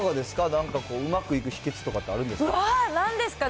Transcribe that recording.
なんかこう、うまくいく秘けつとか、あるんですか？